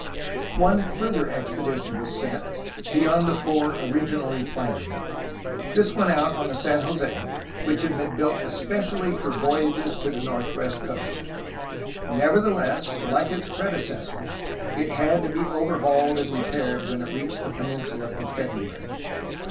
One further expedition was sent, beyond the four origi nally planned. This went out on the San Jose, which had been built especially for voyages to the northwest coast. Nevertheless, like its predecessors, it had to be overhauled and repaired when it reached the peninsula in February.